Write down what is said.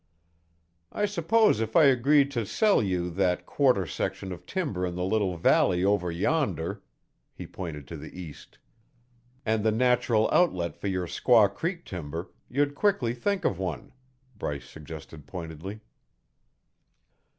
"I suppose if I agreed to sell you that quarter section of timber in the little valley over yonder" (he pointed to the east) "and the natural outlet for your Squaw Creek timber, you'd quickly think of one," Bryce suggested pointedly.